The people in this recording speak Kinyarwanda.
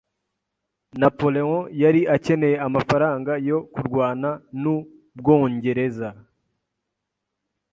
Napoleon yari akeneye amafaranga yo kurwana nu Bwongereza.